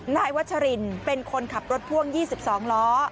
นายวัชรินเป็นคนขับรถพ่วง๒๒ล้อ